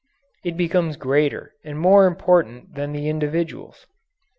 It becomes greater and more important than the individuals.